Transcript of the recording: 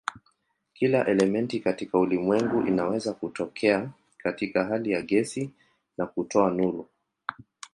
Kila elementi katika ulimwengu inaweza kutokea katika hali ya gesi na kutoa nuru.